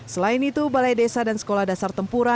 selain itu balai desa dan sekolah dasar tempura